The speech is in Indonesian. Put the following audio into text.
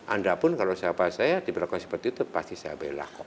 anda pun kalau sahabat saya diberlakukan seperti itu pasti saya belakang